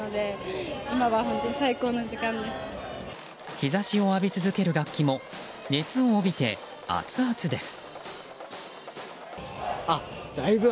日差しを浴び続ける楽器も熱を帯びてアツアツです。